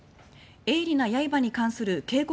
「鋭利な刃に関する警告